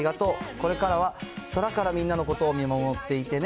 これからは空からみんなのことを見守っていてね。